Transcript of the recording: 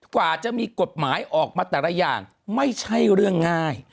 กว่าจะมีกฎหมายออกมาแต่ละอย่างไม่ใช่เรื่องง่าย